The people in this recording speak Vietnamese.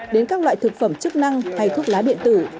đến các loại thực phẩm chức năng hay thuốc lá điện tử